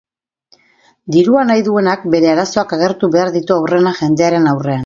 Dirua nahi duenak bere arazoak agertu behar ditu aurrena jendearen aurrean.